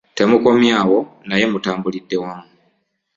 Temukomye awo naye mutambulidde wamu.